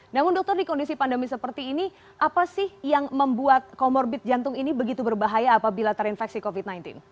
namun dokter di kondisi pandemi seperti ini apa sih yang membuat comorbid jantung ini begitu berbahaya apabila terinfeksi covid sembilan belas